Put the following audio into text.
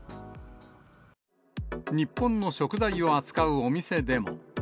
日本の食材を扱うお店でも。